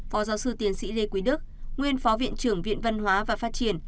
phó giáo sư tiến sĩ lê quý đức nguyên phó viện trưởng viện văn hóa và phát triển